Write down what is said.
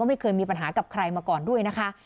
ไม่เคยมีปัญหากับใครมาก่อนด้วยนะคะ